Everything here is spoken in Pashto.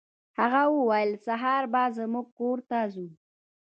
هغه وویل سهار به زموږ کور ته ځو.